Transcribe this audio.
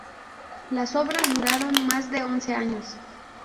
Las obras duraron más de once años.